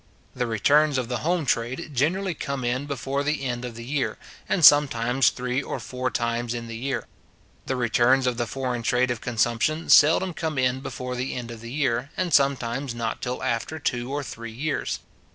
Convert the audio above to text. The returns of the home trade generally come in before the end of the year, and sometimes three or four times in the year. The returns of the foreign trade of consumption seldom come in before the end of the year, and sometimes not till after two or three years.